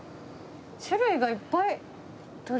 種類がいっぱい。